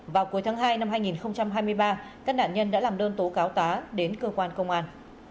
vào cuối tháng hai năm hai nghìn hai mươi ba các nạn nhân đã làm đơn tố cáo tá đến cơ quan công an